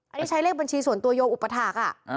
อันนี้ใช้เลขบัญชีส่วนตัวยมอุปถักษณ์อ่ะ